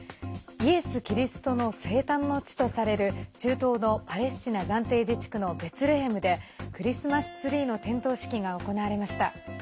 イエス・キリストの生誕の地とされる中東のパレスチナ暫定自治区のベツレヘムでクリスマスツリーの点灯式が行われました。